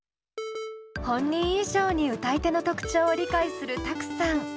本人以上に歌い手の特徴を理解するＴＡＫＵさん。